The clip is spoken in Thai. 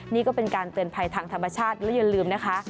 นี่ก็เป็นการเตือนภัยทางธรรมชาติแล้วอย่าลืมนะคะ